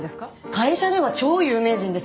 会社では超有名人ですよ。